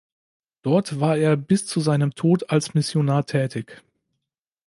Dort war er bis zu seinem Tod als Missionar tätig.